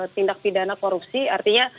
tindak pidana korupsi artinya